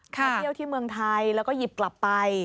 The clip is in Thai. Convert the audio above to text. เที่ยวที่เมืองไทยแล้วก็หยิบกลับไป